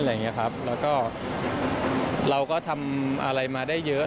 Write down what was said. แล้วก็เราก็ทำอะไรมาได้เยอะ